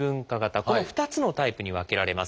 この２つのタイプに分けられます。